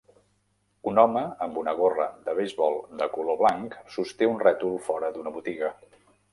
Un home amb una gorra de beisbol de color blanc sosté un rètol fora d'una botiga